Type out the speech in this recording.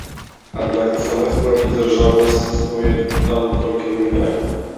Аднак на самай справе дзяржаўнасць існуе там толькі намінальна.